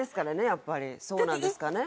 やっぱりそうなんですかね何かね